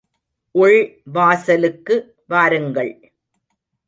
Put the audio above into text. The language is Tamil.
உள் வாசலுக்கு வாருங்கள்.